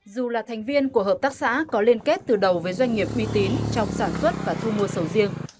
dù là thành viên của hợp tác xã có liên kết từ đầu với doanh nghiệp uy tín trong sản xuất và thu mua sầu riêng